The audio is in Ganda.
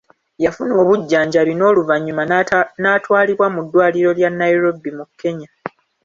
Yafuna obujjanjabi n'oluvannyuma n'atwalibwa mu ddwaliro lya Nairobi mu Kenya.